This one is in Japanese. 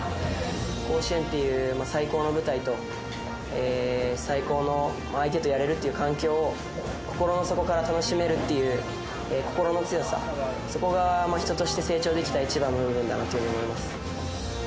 甲子園っていう最高の舞台と、最高の相手とやれるっていう環境を、心の底から楽しめるっていう心の強さ、そこが人として成長できた一番の部分だなと思います。